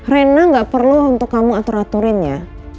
rena nggak perlu untuk kamu atur aturinnya